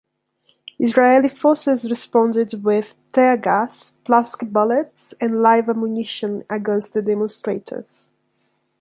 Israeli forces responded with tear gas, plastic bullets, and live ammunition against the demonstrators.